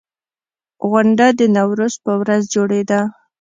غونډه د نوروز په ورځ جوړېده.